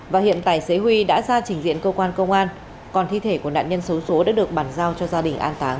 và hiện tài xế huy đã ra trình diện cơ quan công an còn thi thể của nạn nhân xấu xố đã được bàn giao cho gia đình an táng